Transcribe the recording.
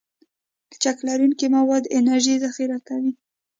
لچک لرونکي مواد انرژي ذخیره کوي.